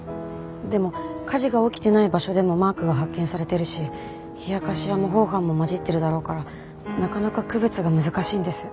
でも火事が起きてない場所でもマークが発見されてるし冷やかしや模倣犯も交じってるだろうからなかなか区別が難しいんです。